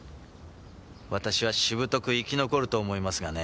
私はしぶとく生き残ると思いますがね。